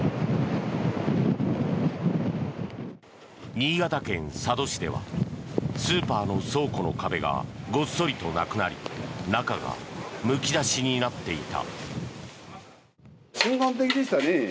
新潟県佐渡市ではスーパーの倉庫の壁がごっそりとなくなり中がむき出しになっていた。